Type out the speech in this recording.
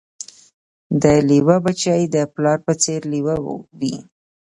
د لېوه بچی د پلار په څېر لېوه وي